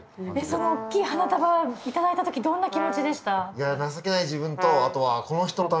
その大きい花束頂いた時どんな気持ちでした？